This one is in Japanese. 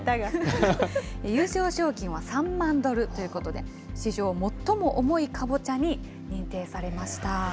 優勝賞金は３万ドルということで、史上最も重いカボチャに認定されました。